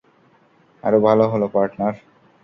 আরও ভালো হলো, পার্টনার।